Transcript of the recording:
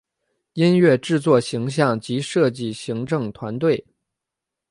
音乐制作形像及设计行政团队